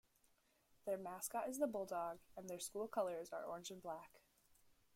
Their mascot is the bulldog, and their school colors are orange and black.